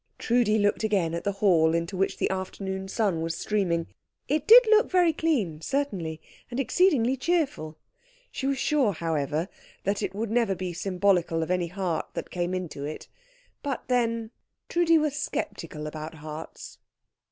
Trudi looked again at the hall, into which the afternoon sun was streaming. It did look very clean, certainly, and exceedingly cheerful; she was sure, however, that it would never be symbolical of any heart that came into it. But then Trudi was sceptical about hearts.